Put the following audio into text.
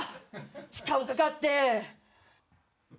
時間かかって。